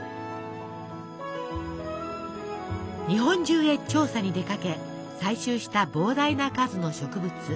日本中へ調査に出かけ採集した膨大な数の植物。